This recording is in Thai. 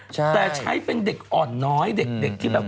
ใช่แต่ใช้เป็นเด็กอ่อนน้อยเฉยที่แบบว่าเค้าทำแท้ง